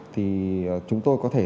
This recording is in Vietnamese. thì chúng tôi có thể